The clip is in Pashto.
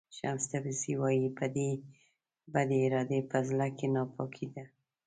شمس تبریزي وایي بدې ارادې په زړه کې ناپاکي ده.